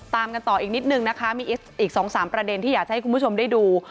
ตามกันต่ออีกนิดนึงนะคะมีอีก๒๓ประเด็นที่อยากจะให้คุณผู้ชมได้ดู